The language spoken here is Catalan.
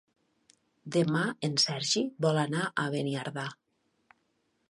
Demà en Sergi vol anar a Beniardà.